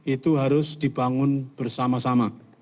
itu harus dibangun bersama sama